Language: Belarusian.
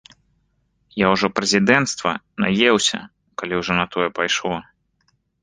Я ўжо прэзідэнцтва наеўся, калі ўжо на тое пайшло.